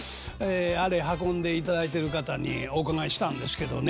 あれ運んでいただいてる方にお伺いしたんですけどね